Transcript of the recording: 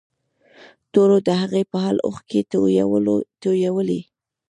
ټولو د هغې په حال اوښکې تویولې